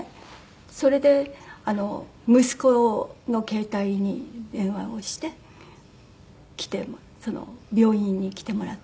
それで息子の携帯に電話をして来て病院に来てもらった。